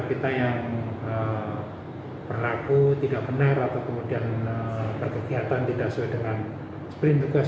kita yang berlaku tidak benar atau kemudian berkegiatan tidak sesuai dengan sprint tugas